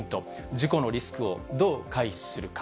事故のリスクをどう回避するか。